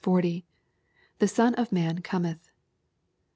— [The Son of man cometh.